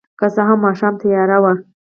که څه هم ماښام تیاره وه.